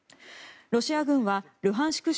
ロシア軍はルハンシク